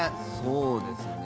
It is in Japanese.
そうですね。